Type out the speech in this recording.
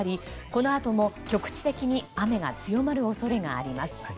このあとも局地的に雨が強まる恐れがあります。